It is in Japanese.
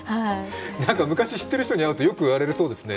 昔、知っている人に会うと、よく言われるそうですね。